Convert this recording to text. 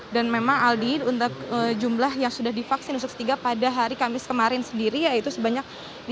dan memang aldi jumlah yang sudah divaksin pada hari kamis kemarin sendiri yaitu sebanyak lima puluh dua satu ratus tujuh puluh